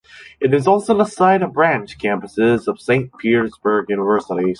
It is also the site of branch campuses of St. Petersburg Universities.